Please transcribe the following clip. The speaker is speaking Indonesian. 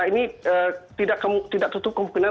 ini tidak tertutup kemungkinan